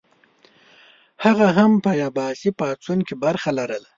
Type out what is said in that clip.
هغه هم په عباسي پاڅون کې برخه لرله.